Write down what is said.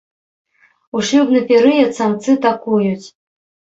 У шлюбны перыяд самцы такуюць.